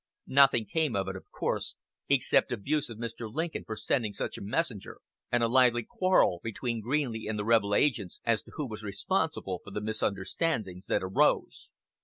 Nothing came of it, of course, except abuse of Mr. Lincoln for sending such a messenger, and a lively quarrel between Greeley and the rebel agents as to who was responsible for the misunderstandings that arose.